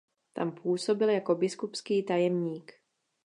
Tam působil jako biskupský tajemník.